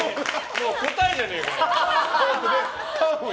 もう答えじゃねえか！